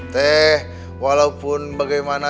teh walaupun bagaimana